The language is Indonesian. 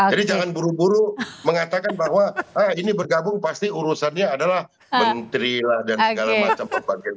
jadi jangan buru buru mengatakan bahwa ini bergabung pasti urusannya adalah menteri lah dan segala macam pebagian kekuasaan